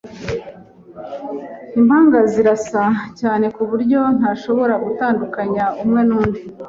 Impanga zirasa cyane kuburyo ntashobora gutandukanya umwe nundi.